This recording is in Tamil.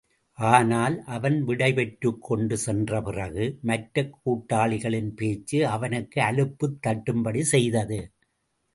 ஆனால், அவன் விடைபெற்றுக் கொண்டு சென்ற பிறகு, மற்ற கூட்டாளிகளின் பேச்சு அவனுக்கு அலுப்புத் தட்டும்படி செய்தது.